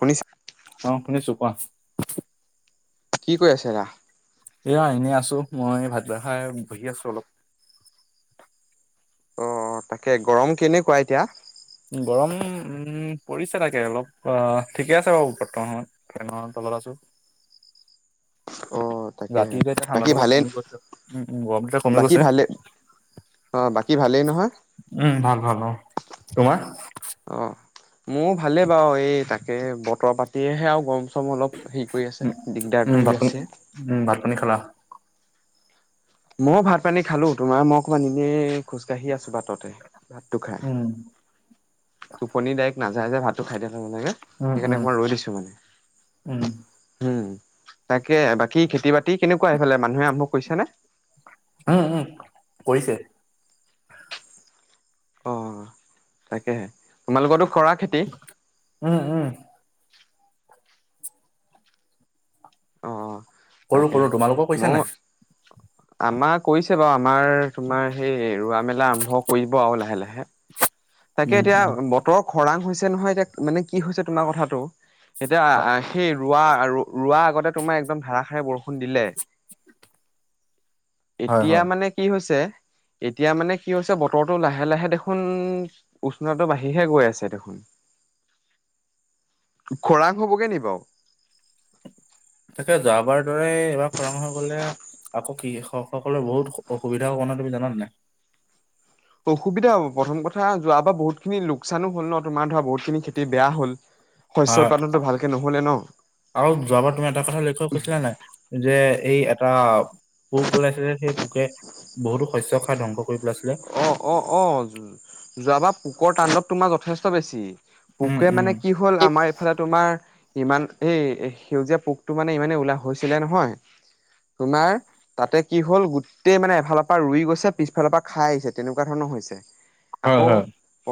শুনিছা অ শুনিছো কোৱা? কি কৰি আছে ৰা এয়া এনে আছো, মই ভাত ভোৱা খাই বহি আছো অলপ। অ তাকে গৰম কেনেকুৱা এতিয়া? গৰম উম পৰিছে তাকে অলপ অ ঠিকে আছে বাৰু বৰ্তমানত সময়ত ভাল আছো। [inaudible] তাকেহে ৰাতি এতিয়া বাকী ঠাণ্ডাটো অলপ ভালেই কমি গৈ, উম উম গৰম এতিয়া কমি বাকী গৈছে। ভালে অ বাকী ভালেই নহয় উম ভাল ভাল অ, তোমাৰ? অ, মোৰ ভালেই বাৰু এই তাকে বতৰ পাতিহে আৰু গম চৰম অলপ হেৰি কৰি আছে উম দিগদাৰ উম তুলি ভাত পানী আছে। উম ভাত পানী খালা মইও ভাত পানী খালো, তোমাৰ মোক অকমান এনেই খোজকাঢ়ি আছো বাটতে, ভাতটো খাই উম টোপনি ডাই নাযায় যে ভাতটো খাই দিয়া খাব লাগে, উম সেইকাৰণে উম মই ৰৈ দিছো মানে উম হুম। তাকে বাকী খেতি বাতি কেনেকুৱা এইফালে মানুহে আৰম্ভ কৰিছে নে? উম উম কৰিছে। অ তাকেহে তোমালোকতো কৰা খেতি উম উম অ কৰো কৰো তাকেহে তোমালোকৰ কৰিছে নাই [unintelligible] আমাৰ কৰিছে বাৰু আমাৰ তোমাৰ সেই ৰোৱা মেলা আৰম্ভ কৰিব আৰু লাহে লাহে তাকে উম এতিয়া উম বতৰ খৰাং হৈছে নহয় এতিয়া মানে কি হৈছে তোমাৰ কথাাটো এতিয়া অ, সেই ৰোৱা আৰু ৰোৱা আগতে তোমাৰ একদম ধাৰাষাৰে বৰষুণ দিলে। হয় এতিয়া হয় মানে কি হৈছে এতিয়া মানে কি হৈছে বতৰটো লাহে লাহে দেখোন উষ্ণটো বাঢ়িহে গৈ আছে দেখোন খৰাং হ'বগে নি বাও। তাকে যোৱাবাৰ দৰে এইবাৰ খৰাং হৈ গলে আকৌ কৃষকসকলৰ বহুত অসুবিধা হ'ব নহয় নাই তুমি জানানে নাই? অসুবিধা হ'ব প্ৰথম কথা যোৱাবাৰ বহুতখিনি লোকচানো হ'ল ন তোমাৰ ধৰা বহুতখিনি খেতি বেয়া হ'ল। শস্য হয় হয় উৎপাদনটো ভালকে নহ'লে ন আৰু যোৱাবাৰ তুমি এটা কথা লক্ষ্য কৈছিলা নে যে এই এটা পোক ওলাইছিলে সেই পোকে বহুতো শস্য খাই ধ্বংস কৰি পেলাইছিল। অ অ অ যোৱাবাৰ পোক তানণ্ডৱ তোমাৰ যথেষ্ট বেছি। উম পোকে উম মানে কি হল আমাৰ এইফালে তোমাৰ ইমান এই সেউজীয়া পোকটো মানে ইমানেই উলাহ হৈছিলে নহয়। তোমাৰ তাতে কি হল গোটেই মানে এফালৰ পৰা ৰুই গৈছে পিছফালৰ পৰা খাই আহিছে তেনেকুৱা ধৰণৰ হৈছে হয় আকৌ হয়।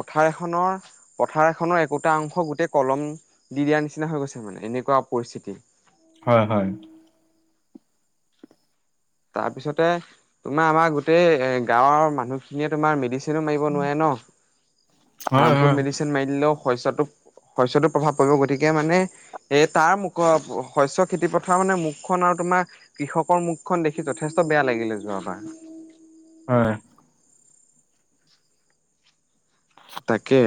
পথাৰ এখনৰ পথাৰ এখনৰ একোটা অংশ গোটেই কলম দি দিয়া নিচিনা হৈ গৈছে মানে এনেকুৱা পৰিস্থিতি হয় হয় তাৰপিছতে তোমাৰ আমাৰ গোটেই এ গাঁওৰ মানুহখিনিয়ে তোমাৰ মেডিচিন মেডিচিন মাৰিব নোৱাৰে ন হয় হাৰম ফোল হয় মেডিচিন মাৰি দিলেও শস্যটো শস্যটো প্ৰভাৱ পৰিব গতিকে মানে এ তাৰ মুখ শস্য খেতি পথাৰ মানে মুখখন আৰু তোমাৰ কৃষকৰ মুখখন দেখি যথেষ্ট বেয়া লাগিলে যোৱা পা হয় তাকে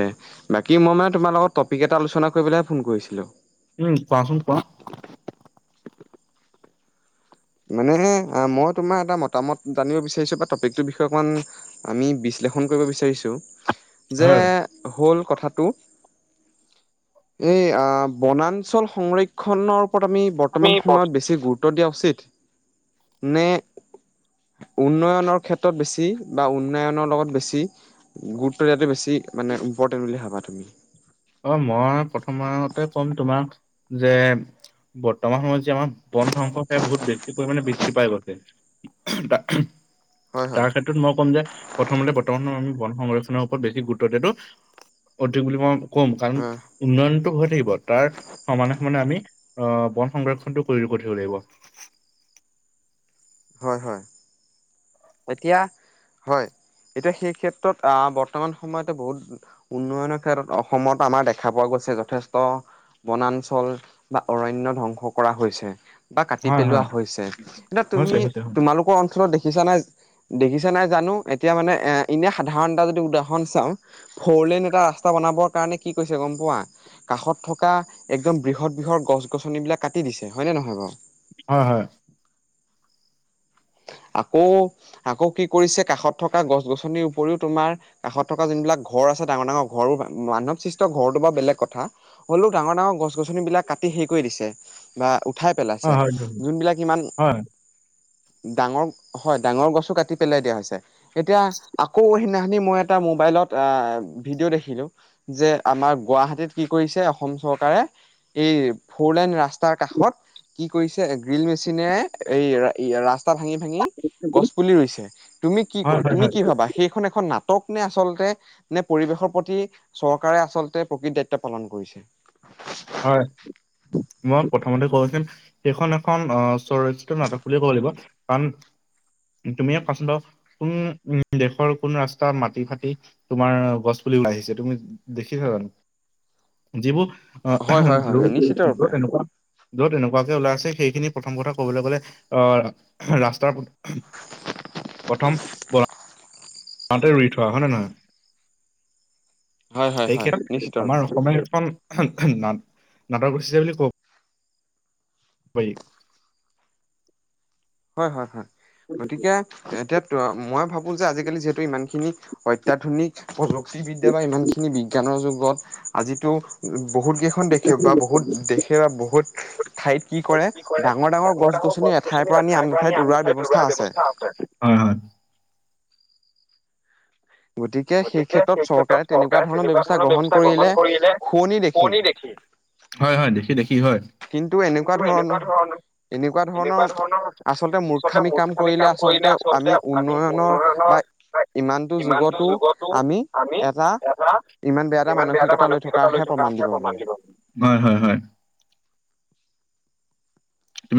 বাকী মই মানে তোমাৰ লগত টপিক এটা আলোচনা কৰিবেলহে ফোন কৰিছিলোঁ। উম কোৱাচোন কোৱা? মানে মই তোমাৰ এটা মতামত জানিব বিচাৰিছো বা টপিকৰ বিষয়ে অকণমান আমি বি- বিশ্লেষণ কৰিব বিচাৰিছোঁ যে হয় হ'ল কথাটো এই আ বনাঞ্চল সংৰক্ষণৰ আমি বৰ্তমান সময়ত বেছি গুৰুত্ব দিয়া উচিত নে উন্নয়নৰ ক্ষেত্ৰত বেছি বা উন্নয়নৰ লগত বেছি গুৰুত্ব দিয়াটো বেছি মানে ইম্পৰ্ট বুলি ভাবা তুমি অ মই প্ৰথমতে ক'ম তোমাক যে বৰ্তমান সময়ত যে আমাৰ বন ধ্বংস কাৰী বহুত বেছি পৰিমণে বৃদ্ধি পাই গৈছে। হয় হয় তাৰ ক্ষেত্ৰত মই ক'ম যে প্ৰথমতে বৰ্তমান সম [unintelligible] বন সংৰক্ষনৰৰ ওপৰত বেছি গুৰুত্ব দিয়াটো অধিক বুলি মই কম কাৰণ হয় উন্নয়নতটো হৈয় থাকিব। তাৰ সমানে সমানে আমি আহ বন সংৰক্ষণটো কৰি থাকিব লাগিব। হয় হয়। এতিয়া হয়। এতিয়া সেই ক্ষেত্ৰত আহ বৰ্তমান সময়ত বহুত উন্নয়নৰ ক্ষেত্ৰত অসমত আমাৰ দেখা পোৱা গ'ল। যথেষ্ট বনাঞ্চল বা অৰণ্য ধ্বংস কৰা হৈছে। বা কাটি হয় পেলোৱা হয় হৈছে, এতিয়া হৈছে তুমি হৈছে হয় তোমালোকৰ অঞ্চলত দেখিছা নাই- দেখিছা নাই জানো এতিয়া মানে এ এনে সাধাৰণ এটা যদি উদাহৰণ চাওঁ ফৰলেন এটা- ৰাস্তা বনাবৰ কাৰণে কি কৰিছে গম পোৱা? কাষত থকা একদম বৃহৎ বৃহৎ গছ গছনিবিলাক কাটি দিছে হয়নে নহয় বাৰু? হয় হয়। উ [unintelligible] আকৌ আকৌ কি কৰিছে কাষত থকা গছ গছনিৰ উপৰিও তোমাৰ কাষত থকা যোনবিলাক ঘৰ- তাৰ পাছত ডাঙৰ ডাঙৰ মানৱ সৃষ্টৰ ঘৰটো বেলেগ কথা হ'লেও ডাঙৰ ডাঙৰ গছ গছন বিলাক কাটি শেষ কৰি দিছে বা উঠাই হয় পেলাইছে হয় যোনবিলাক ইমান- হয় হয় ডাঙৰ হয় ডাঙৰ গছো কাটি পেলাই দিয়া হৈছে এতিয়া আকৌ সেইদিনা- এনেই মই এটা মোবাইলত আ ভিডিঅ দেখিলোঁ, যে আমাৰ গুৱাহাটীত কি কৰিছে, অসম চৰকাৰে চৰকাৰে এই ফৰলেন ৰাস্তাৰ কাষত- কি কৰিছে গ্ৰীল মেচিনে এই- ই ৰাস্তাত ভাঙি ভাঙি গছ পুলি ৰুইছে তুমি কি ক হয় হয় তুমি হয়। কি ভাবা সেইখন এখন নাটক- টক নে আচলতে নে পৰিৱেশৰ প্ৰতি চৰকাৰে আচলতে প্ৰকৃত দায়িত্ব পালন কৰিছে? হয় মই প্ৰথমতে ক সেইখন এখন আহ চলৰ্চিত নাটক বুলে ক'ব লাগিব, কাৰণ তুমিয়ে কোৱাচোন বাও কোন উম দেশৰ কোন ৰাস্তা মাটি ফাটি তোমাৰ গছ- পুলি ওলাই আহিছে তুমি দেখিছা জানো? যিবোৰ অ হয় হয় হয় হয় নিশ্চিত ৰূপে এনেকুৱা [unintelligible] য'ত এনেকুৱাকে ওলাই আছে সেইখিনি প্ৰথম কথা কবলৈ গ'লে আহ ৰাস্তাৰ প্ৰথম বনাই তাতে ৰুই থোৱা হয়নে নহয়? হয় হয় সেই হয় নিশ্চিত ক্ষেত্ৰত ৰূপে। আমাৰ অসমীয়া এখন নাট নাটক গোষ্ঠীছে বুলি কব পাৰি পাই। হয় হয় হয়। গতিকে এতিয়া মই ভাবো যে আজিকালি যিহেতু ইমানখিনি অত্যাধুনিক প্ৰ কৃষি বিদ্যা বা ইমানখিনি বিজ্ঞানৰ যুগত আজিতো বহুতকেইখন দেশে বা বহুত দেশে বা বহুত ঠাইত কি কৰে, ডাঙৰ -ডাঙৰ গছ -গছনি এঠাইৰ পৰা আনি খাই আন পোৱা আ ঠাইত নি ৰোৱাৰ আমঠাই দৌৰা ব্যৱস্থা আছে হয় হয়। গতিকে সেই ক্ষেত্ৰত চৰকাৰে তেনেকুৱা ধৰণৰ ব্যৱস্থা গ্ৰহণ কৰিলে শুৱনি দেখি। হয় হয় দেখি দেখি হয় কিন্তু এনেকুৱা ধৰণৰ- এনেকুৱা ধৰণৰ আচলতে মূৰ্খামি কাম কৰিলে আচলতে আমি উন্নয়নৰ- ইমানটো যুগতো আমি এটা- ইমান বেয়া এটা মানসিকতা লৈ থকাক হে প্ৰমান দিব। হয় হয় হয়।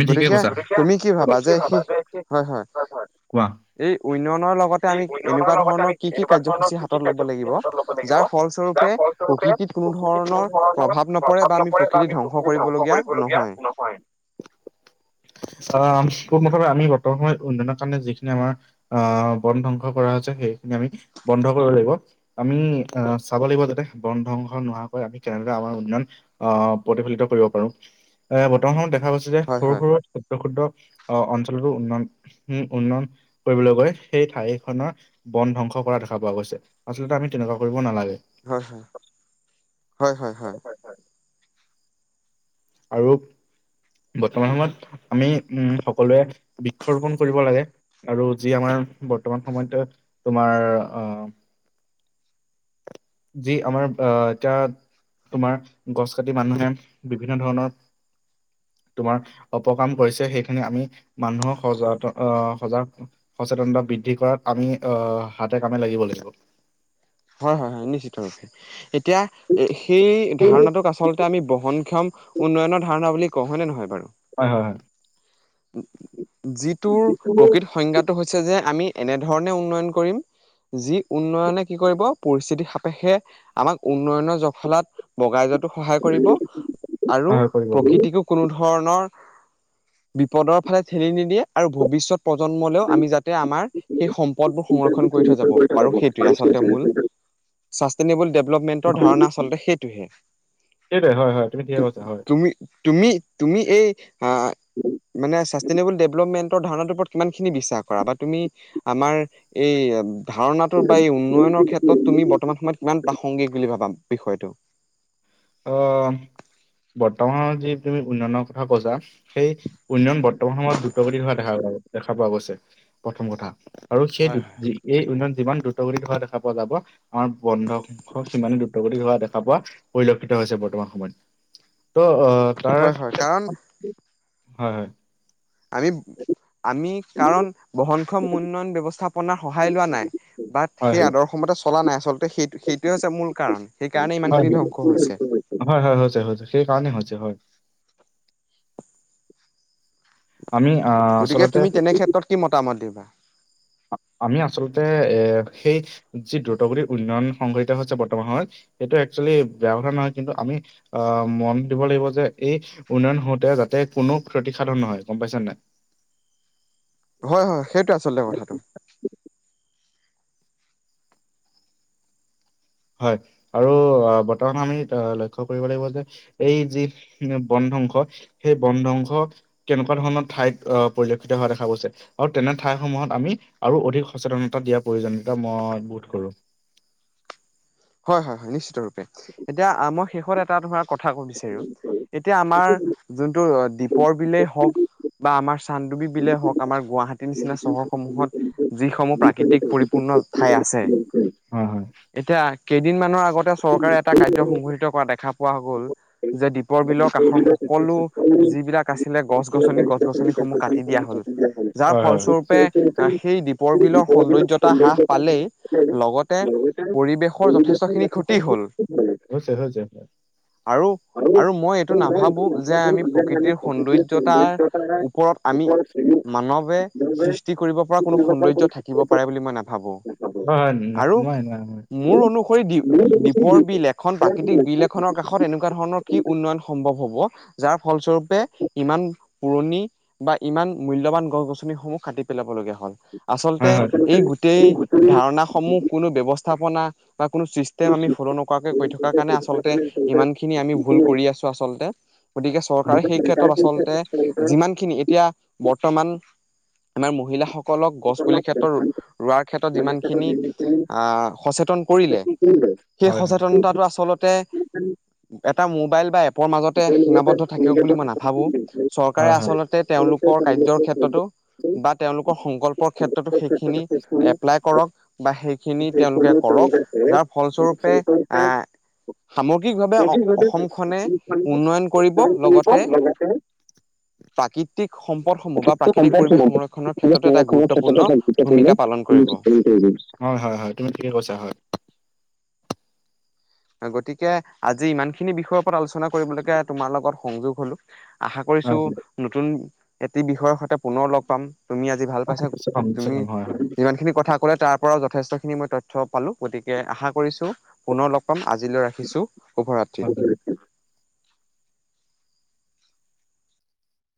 গতিকে তুমি কি ভাবা যে সেই হয় হয়। কোৱা এই উন্নয়নৰ লগতে এই আমি উন্নয়নৰ এনেকুৱা লগতে আমি ধৰণৰ কি কি এনেকুৱা ধৰণৰ কাৰ্যসূচী কি কি হাতত ল'ব কাৰ্যসূচী লাগিব? হাতত ল'ব লাগিব যাৰ যাৰ ফলস্বৰূপ- ফলস্বৰূপে প্ৰকৃতিত কোনো প্ৰকৃতিত কোনো ধৰণৰ প্ৰভাৱ নপৰে বা আমি প্ৰকৃতি ধ্বংস কৰিবলগীয়া নহয়। হয়। [inaudible] অ মুঠতে আমি বৰ্তৰ সময় উন্নয়নৰ কাৰণে যিখিনি আমাৰ আহ বন ধ্বংস কৰা হৈছে- সেইখিনি আমি বন্ধ কৰিব লাগিব। আমি অ চাব লাগিব যাতে বন ধ্বংস নোহাকৈ আমি কেনেকৈ আমাৰ উন্নয়ন আহ প্ৰতিফলিত কৰিব পাৰো। এ বৰ্তমান সময়ত দেখা পাইছোঁ যে হয় সৰু হয় সৰু ক্ষুদ্ৰ ক্ষুদ্ৰ অ অঞ্চলতো উন্নয়ন উম উন্নয়ন কৰিবলৈ গৈ সেই ঠাইখনৰ বন ধ্বংস কৰা দেখা পোৱা গৈছে আচলতে আমি তেনেকুৱা কৰিব নালাগে হয় হয় হয় হয় আৰু বৰ্তমান সময়ত আমি উম সকলোৱে বৃক্ষৰোপন কৰিব লাগে আৰু যি আমাৰ বৰ্তমান সময়ত তোমাৰ অ [inaudible] যি আমাৰ আ এতিয়া তোমাৰ গছ কাটি মানুহে বিভিন্ন ধৰণৰ [inaudible] তোমাৰ অপকাম কৰিছে সেইখিনি আমি মানুহৰ সজ ত সজাগ সচেতনতা বি বৃদ্ধি কৰাত আমি অ হাতে কামে লাগিব লাগিব। হয় হয় হয় নিশ্চিত ৰূপে, এতিয়া এ সেই ধাৰণাটোক আচলতে আমি বহনক্ষম উন্নয়নৰ ধাৰণা বুলি কওঁ হয়নে নহয় বাৰু? হয় হয় হয়। উ, যিটোৰ প্ৰকৃত সংজ্ঞাটো হৈছে যে আমি এনেধৰণে উন্নয়ন কৰিম, যি উন্নয়নে কি কৰিব পৰিস্থিতিৰ সাপেক্ষে আমাক উন্নয়নৰ জখলাত বগাই য টো সহায় কৰিব আৰু হয় হয় কৰিব। প্ৰকৃতিকো কোনো ধৰণৰ বিপদৰ ফালে ঠেলি নিদিয়ে আৰু ভৱিষ্যত প্ৰজন্মলেও আমি যাতে আমাৰ সেই সম্পদবোৰ সংৰক্ষণ কৰি থৈ যাব পাৰো সেইটোয়ে আ চলতে মূল শ্বাচটেনেবল ডেভেলপমেণ্টৰ ধাৰণা আচলতে সেইটোহে। সেইটোৱে হয় হয় তুমি তু ঠিকে কৈছা হয় তুমি তুমি তুমি এই হা মানে চাষ্টেইনেবল ডেভলপমেণ্ট ধাৰণাটোৰ ওপৰত কিমান খিনি বিশ্বাস কৰা বা তুমি আমাৰ এই ধাৰণাটো বা এই উম ক্ষেত্ৰত তুমি বৰ্তমান সময়ত কিমান প্ৰাসংগিক বুলি ভাবা বিষয়টো? অ। বৰ্তমানত যি তুমি উন্নয়নৰ কথা কৈছা, সেই উন্নয়ন বৰ্তমান সময়ত দ্ৰুতগতিত হোৱা দেখা দেখা পোৱা গৈছে প্ৰথম কথা আৰু সেই দু হয় হয়। যি এই উন্নয়ন যিমান দ্ৰুত গতিত হোৱা দেখা পোৱা যাব, আমাৰ বন্ধক সিমানেই দ্ৰুতগতিত হোৱা দেখা পোৱা পৰিলক্ষিত হৈছে বৰ্তমান সময়ত ত' অ হয় তাৰ। হয় কাৰণ হয় হয়। আমি আমি কাৰণ বহনক্ষম উন্নয়ন ব্যৱস্থা। নাৰ সহায় লোৱা নাই বাট হয় সেই হয় আদৰ্শ মতে চলা নাই আচলতে। সেই সেইটোৱে হৈছে মূল কাৰণ সেইকাৰণেই হয়, ইমানখিনি ধ্বংস হৈছে। হয়, হয় হৈছে হৈছে সেইকাৰণে হৈছে হয়। আমি আহ গতিকে আচলতে তুমি তেনে ক্ষেত্ৰত কি মতামত দিবা? আমি আচলতে এ সেই যি দ্ৰুতগতিৰ উন্নয়ন সংঘটিত হৈছে বৰ্তমান সময়ত সেইটো একচুৱেলি বেয়া কথা নহয় কিন্তু আমি আ মন দিব লাগিব যে এই উন্নয়ন হওঁতে তাতে কোনো ক্ষতিসাধন নহয় গম পাইছা নাই? [inaudible] হয় হয় সেইটোৱে আচলতে কথাটো। হয় আৰু আ বৰ্তমান আমি আ লক্ষ্য কৰিব লাগিব যে এই যি বন ধংস, সেই বন ধংস কেনেকুৱা ধৰণৰ ঠাইত আ পৰিলক্ষিত হোৱা দেখা গৈছে আৰু তেনে ঠা এ সমূহত আমি আৰু অধিক সচেতনতা দিয়াৰ প্ৰয়োজনীয়তা মই বোধ কৰো। [inaudible] হয় হয় হয় নিশ্চিত ৰূপে, এতিয়া আ মই শেষত এটা ধৰা কথা কব বিচাৰোঁ, এতিয়া আমাৰ যোনটো দ্বীপৰ বিলেই হওঁক বা আমাৰ চান্দুবি বিলে হওঁক, আমাৰ গুৱাহাটীৰ নিচিনা চহৰসমূহত, যিসমূহ প্ৰাকৃতিক পৰিপূ উম, ঠাই আছে। হয় হয়। এতিয়া কেইদিনমানৰ আগতে চৰকাৰে এটা কাৰ্য সংঘটিত কৰা দেখা পোৱা গ'ল। যে দ্বীপৰবিলৰ কাষৰ সকলো যিবিলাক আছিলে গছ- গছনি, গছ -গছনিসমূহ কাটি দিয়া হ'ল। যাৰ হয় হয় ফলস্বৰূপে আহ সেই দ্বীপৰবিলৰ সোন্দৰ্যতা হ্ৰাস পালেই লগতে পৰিৱেশৰ য যথেষ্টখিনি ক্ষতি হ'ল। হৈছে, হৈছে হ'য়। আৰু? আৰু মই এইটো নাভাৱো যে আমি প্ৰকৃতিৰ সোন্দৰ্যতাৰ ওপৰত আমি। মানৱে সৃষ্টি কৰিব পৰা কোনো সোন্দৰ্য থাকিব পাৰে বুলি মই নাভাৱো। হ'য়, হ'য় ন--নোৱাৰে নোৱাৰে হ'য়। দী-দ্বীপৰবিল, এখন প্ৰাকৃতিক বিল এখনক। কাষত এনেকুৱা ধৰণৰ কি উন্নয়ন সম্ভৱ হব? যাৰ ফলস্বৰূপে ইমান পুৰণি। বা ইমান মূল্যবান গছ গছনিসমূহ কাটি পেলাবলগীয়া হ'ল। আচলতে হয় হয় এই গোটেই ধাৰণাসমূহ কোনো ব্যৱস্তা স্থাপনা বা কোনো ছিষ্টেম আমি ফল' নকৰাকে। কৰি থকা কাৰণে আচলতে ইমান খিনি আমি ভুল কৰি আছো আচলতে। গতিকে চৰকাৰে সেই ক্ষেত্ৰত আচলতে হয় যিমানখিনি, এতিয়া বৰ্তমান। আমাৰ মহিলাসকলক গছপুলি ক্ষেত্ৰত ৰোৱাৰ ক্ষেত্ৰত যিমানখিনি আ--সচেতন। কৰিলে, সেই সচেতনতাটো আচলতে। এটা মোবাইল বা এপৰ মাজতে সীমাবদ্ধ থাকক বুলি মই নাভাৱো। চৰকাৰে আচলতে তেওঁলোক। ৰ-কাৰ্যৰ ক্ষেত্ৰটো বা তেওঁলোকক সং। সংকল্পৰ ক্ষেত্ৰটো সেইখিনি এপ্লাই কৰক বা সেইখিনি তেওঁলোকে কৰক। হয় যাৰ ফলস্বৰূপে হয় আ। হয় সামগ্ৰিকভাৱে অ অসমখনে উন্নয়ন কৰিব, লগতে। প্ৰাকৃতিক সম্প। পদ সমূহ বা তো প্ৰাকৃতিক কম্পেয়াৰটো পৰিৱেশ মন সংৰক্ষণৰ ক্ষেত্ৰটো এটা সংৰক্ষণৰ ক্ষেত্ৰতে গুৰুত্বপূৰ্ণ এটা গুৰুত্বপূৰ্ণ ভূমিকা পালন ভূমিকা কৰিব। পালন কৰি গৈছে হ'য়, হ'য় হ'য়। তুমি ঠিকে কৈছা হ'য়। [unintelligible] গতিকে আজি ইমানখিনি বিষয়ৰ ওপৰত আলোচনা কৰিবলৈকে তোমাৰ লগত সংযোগ হলোঁ। আশা হয় কৰিছোঁ, হয়। নতুন এটি বিষয়ৰ সৈতে পুনৰ ল'গ পাম। তুমি আজি ভাল পাইছা, নিশ্চয় পাম, নিশ্চয় তুমি পাম, হয় যিমানখিনি কথা কলা তাৰ পৰাও যথেষ্টখিনি মই তথ্য পালোঁ। গতিকে আশা কৰিছো পুনৰ লগ পাম, আজিলৈ ৰাখিছোঁ। শুভৰাত্ৰি। হয় হয়।